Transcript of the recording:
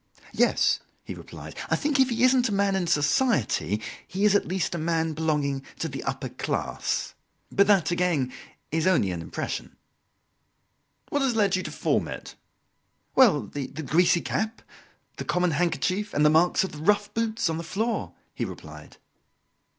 "Yes," he replied; "I think if he isn't a man in society, he is, at least, a man belonging to the upper class. But that, again, is only an impression." "What has led you to form it?" "Well, the greasy cap, the common handkerchief, and the marks of the rough boots on the floor," he replied.